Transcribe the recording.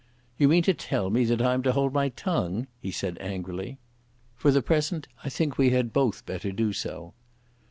"You mean to tell me that I am to hold my tongue," he said angrily. "For the present I think we had both better do so."